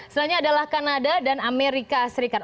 selanjutnya adalah kanada dan amerika serikat